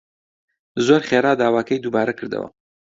زۆر خێرا داواکەی دووبارە کردەوە